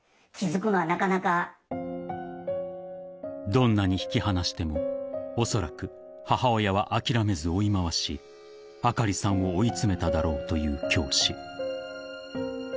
［どんなに引き離してもおそらく母親は諦めず追い回しあかりさんを追い詰めただろうという教師］